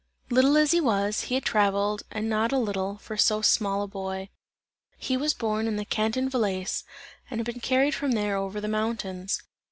Little as he was, he had traveled, and not a little, for so small a boy; he was born in the Canton Valais, and had been carried from there over the mountains.